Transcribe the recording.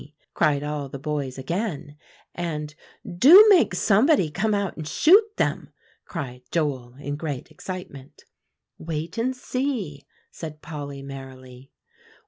cried all the boys again, and, "Do make somebody come out and shoot them," cried Joel in great excitement. "Wait and see," said Polly merrily.